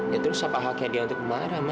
ya terus apa haknya dia untuk marah ma